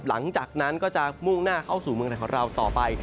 หลังจากนั้นก็จะมุ่งหน้าเข้าสู่เมืองไทยของเราต่อไป